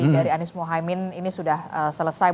dari anies mohaimin ini sudah selesai